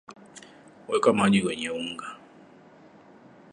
weka maji kwenye unga